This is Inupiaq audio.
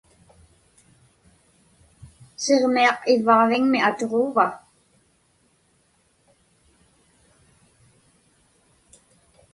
Siġmiaq ivvaġviŋmi atuġuuva?